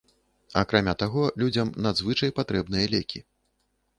Акрамя таго людзям надзвычай патрэбныя лекі.